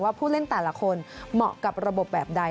ผู้เล่นแต่ละคนเหมาะกับระบบแบบใด